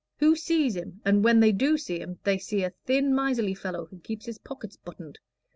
who sees him? and when they do see him they see a thin miserly fellow who keeps his pockets buttoned.